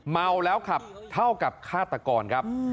เมาแล้วขับเท่ากับฆาตกรครับ